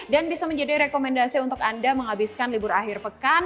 dan bisa menjadi rekomendasi untuk anda menghabiskan libur akhir pekan